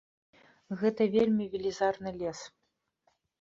Гэта вельмі велізарны лес.